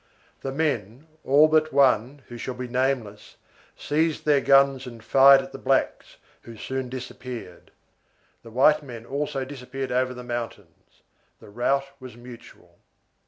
The men, all but one, who shall be nameless, seized their guns and fired at the blacks, who soon disappeared. The white men also disappeared over the mountains; the rout was mutual.